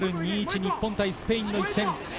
日本対スペインの一戦。